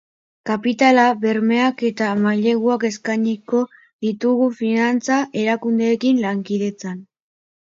Kapitala, bermeak eta maileguak eskainiko ditugu finantza erakundeekin lankidetzan.